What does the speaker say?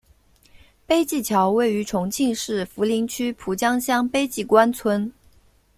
碑记桥位于重庆市涪陵区蒲江乡碑记关村。